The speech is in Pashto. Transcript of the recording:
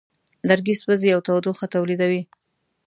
لرګی سوځي او تودوخه تولیدوي.